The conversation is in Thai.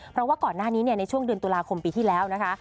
เพราะว่าก่อนหน้านี้ในช่วงเดือนตุลาคมปีที่แล้วนะคะ